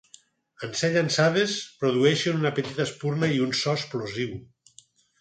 En ser llançades produeixen una petita espurna i un so explosiu.